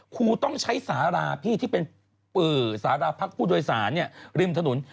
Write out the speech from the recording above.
ครูต้องใช้สาราพี่ที่เป็นปือสาราพลักษณ์ผู้โดยศาลริมธนุน